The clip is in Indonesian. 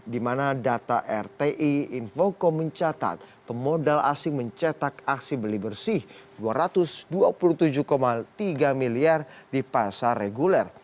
di mana data rti infoco mencatat pemodal asing mencetak aksi beli bersih rp dua ratus dua puluh tujuh tiga miliar di pasar reguler